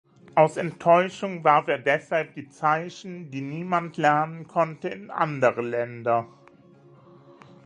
Aus Enttäuschung warf er deshalb die Zeichen, die niemand lernen konnte, in andere Länder.